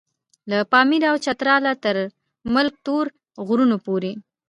له پاميره او چتراله تر ملک تور غرونو پورې.